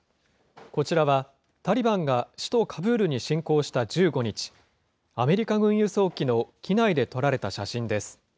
こちらは、タリバンが首都カブールに進攻した１５日、アメリカ軍輸送機の機内で撮られた写真です。